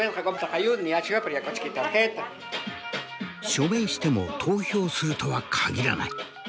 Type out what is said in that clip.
署名しても投票するとは限らない。